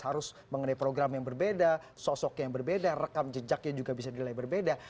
harus mengenai program yang berbeda sosok yang berbeda rekam jejaknya juga bisa dinilai berbeda